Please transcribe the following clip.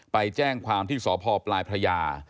ไปแจ้งความที่สพปลายพระยา